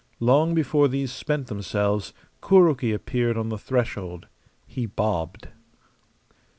Long before these spent themselves Kuroki appeared on the threshold. He bobbed.